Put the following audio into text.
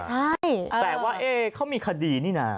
แต่ว่าเอกเขามีคดีนี่น่ะ